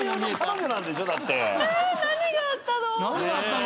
えっ⁉何があったの？